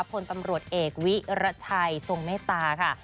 พลตำรวจเอกวิรชัยทรงเมตตาค่ะ